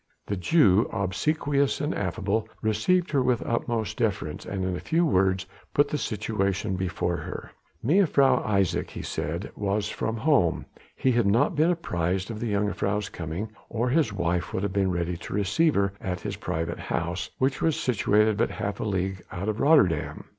The Jew, obsequious and affable, received her with utmost deference, and in a few words put the situation before her. Mevrouw Isaje, he said, was from home: he had not been apprised of the jongejuffrouw's coming, or his wife would have been ready to receive her at his private house, which was situated but half a league out of Rotterdam.